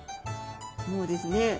もうですね